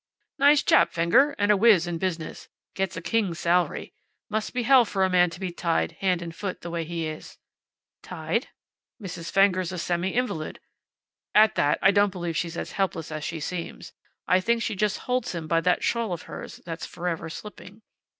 "Nice chap, Fenger. And a wiz in business. Get's a king's salary; Must be hell for a man to be tied, hand and foot, the way he is." "Tied?" "Mrs. Fenger's a semi invalid. At that I don't believe she's as helpless as she seems. I think she just holds him by that shawl of hers, that's forever slipping.